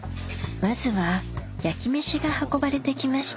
まずは焼きめしが運ばれて来ました